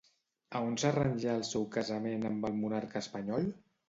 A on s'arranjà el seu casament amb el monarca espanyol?